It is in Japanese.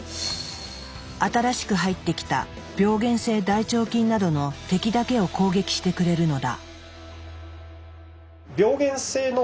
新しく入ってきた病原性大腸菌などの敵だけを攻撃してくれるのだ。